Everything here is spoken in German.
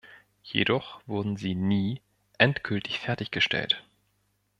Jedoch wurden sie nie endgültig fertiggestellt.